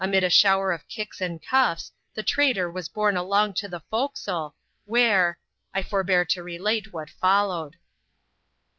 Amid a shower of kicks ind cuffs, the traitor was borne along to the forecastle, where— ] forbear to relate what foUowed.